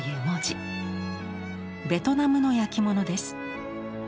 ベトナムの焼き物です。